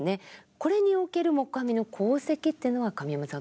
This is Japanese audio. これにおける黙阿弥の功績というのは神山さん